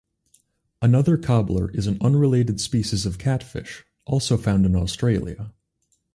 Another cobbler is an unrelated species of catfish, also found in Australia.